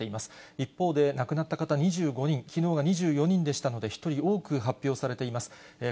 一方で亡くなった方２５人、きのうが２４人でしたので、１人多く発表されています。